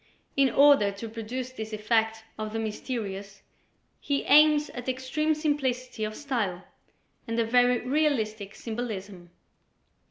In order to produce this effect of the mysterious he aims at extreme simplicity of style and a very realistic symbolism.